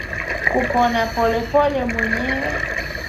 kupona polepole mwenyewe